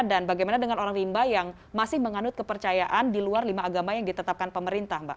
dan bagaimana dengan orang rimba yang masih menganut kepercayaan di luar lima agama yang ditetapkan pemerintah mbak